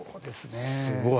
すごい。